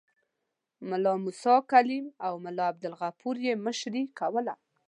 ملا موسی کلیم او ملا عبدالغفور یې مشري کوله.